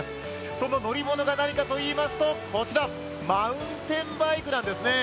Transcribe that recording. その乗り物が何かといいますとこちらマウンテンバイクなんですね。